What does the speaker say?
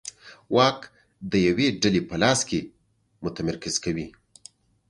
واک د یوې ډلې په لاس کې متمرکز کوي.